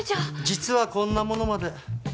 実はこんなものまで。